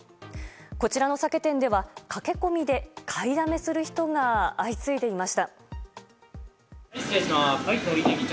こちらの酒店では駆け込みで買いだめする人が相次いでいました。